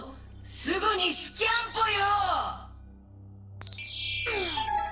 すぐにスキャンぽよ！